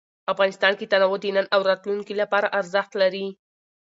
افغانستان کې تنوع د نن او راتلونکي لپاره ارزښت لري.